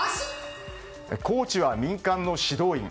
コーチは民間の指導員。